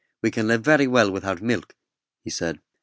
"We can live very well without milk," he said.